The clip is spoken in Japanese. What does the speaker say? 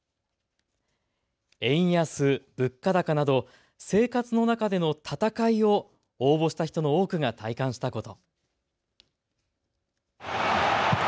円安・物価高など生活の中での戦いを応募した人の多くが体感したこと。